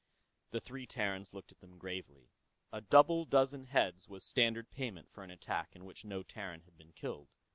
The three Terrans looked at them gravely. A double dozen heads was standard payment for an attack in which no Terran had been killed.